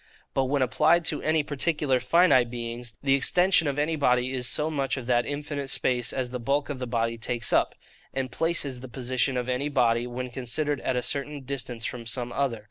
But when applied to any particular finite beings, the extension of any body is so much of that infinite space as the bulk of the body takes up. And place is the position of any body, when considered at a certain distance from some other.